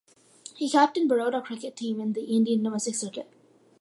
He captained Baroda cricket team in the Indian domestic circuit.